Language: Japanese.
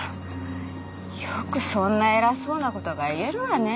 よくそんな偉そうなことが言えるわね？